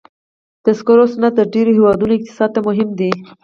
د سکرو صنعت د ډېرو هېوادونو اقتصاد ته مهم دی.